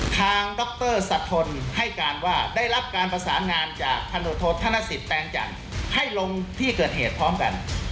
ดรสะทนให้การว่าได้รับการประสานงานจากพันธุโทษธนสิทธิแตงจันทร์ให้ลงที่เกิดเหตุพร้อมกัน